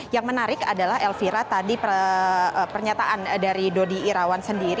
yang menarik adalah elvira tadi pernyataan dari dodi irawan sendiri